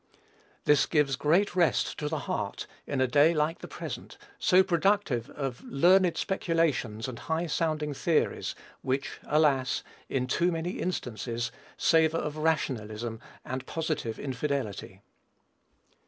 This gives great rest to the heart in a day like the present, so productive of learned speculations and high sounding theories, which, alas! in too many instances, savor of rationalism and positive infidelity.